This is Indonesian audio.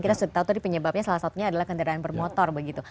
kita sudah tahu tadi penyebabnya salah satunya adalah kendaraan bermotor begitu